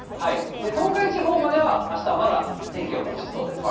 東海地方までは、あしたはまだ天気はもちそうですね。